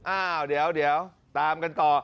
อ้าวเดี๋ยวตามกันต่อ